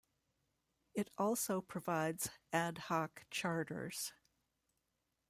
It also provides ad-hoc charters.